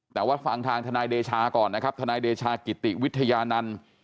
แต่ว่าฟังทางทนายเดชาก่อนนะครับทนายเดชากิติวิทยานันต์